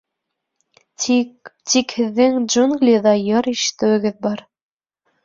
Тик... тик һеҙҙең джунглиҙа йыр ишетеүегеҙ бар.